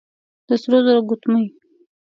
د سرو زرو ګوتمۍ،